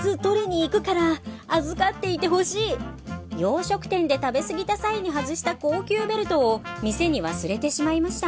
洋食店で食べ過ぎた際に外した高級ベルトを店に忘れてしまいました。